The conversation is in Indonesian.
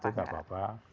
itu tidak apa apa